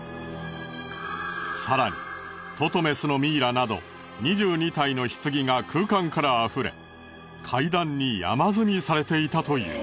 更にトトメスのミイラなど２２体の棺が空間からあふれ階段に山積みされていたという。